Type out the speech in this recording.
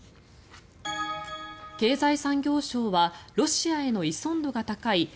経済産業省はロシアへの依存度が高い